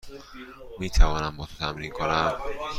می توانم با تو تمرین کنم؟